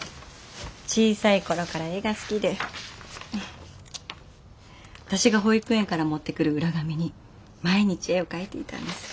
小さい頃から絵が好きでフフ私が保育園から持ってくる裏紙に毎日絵を描いていたんです。